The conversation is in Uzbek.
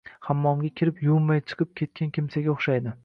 hammomga kirib, yuvinmay chiqib ketgan kimsaga o‘xshaydi.